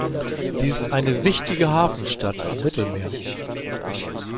Sie ist eine wichtige Hafenstadt am Mittelmeer.